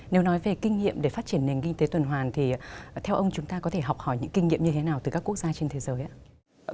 nếu nói về kinh nghiệm để phát triển nền kinh tế tuần hoàn thì theo ông chúng ta có thể học hỏi những kinh nghiệm như thế nào từ các quốc gia trên thế giới ạ